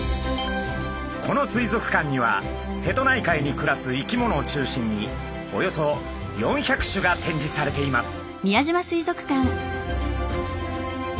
この水族館には瀬戸内海に暮らす生き物を中心におよそ４００種が展示されています。